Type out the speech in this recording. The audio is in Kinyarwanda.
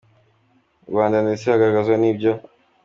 Rwanda ndetse hagaragazwa n’ibyo.